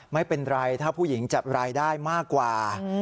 ไม่เป็นไรถ้าผู้หญิงจับรายได้มากกว่า